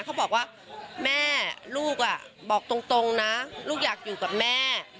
เพราะแม่ลูกอ่ะบอกตรงนะลูกอยากอยู่กับแม่